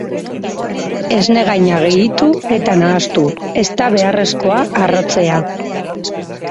Esnegaina gehitu eta nahastu, ez da beharrezkoa harrotzea.